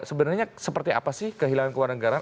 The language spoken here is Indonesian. sebenarnya seperti apa sih kehilangan keluarga negara